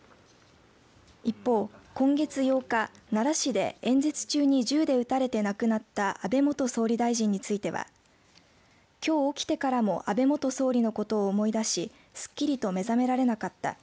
一方、今月８日、奈良市で演説中に銃で撃たれて亡くなった安倍元総理大臣についてはきょう起きてからも安倍元総理のことを思い出しすっきりと目覚められなかった。